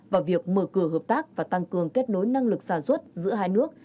vào việc mở cửa hợp tác và tăng cường kết nối năng lực sản xuất giữa hai nước